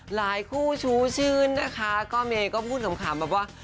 คู่ชู้ชื่นนะคะก็เมย์ก็พูดขำแบบว่า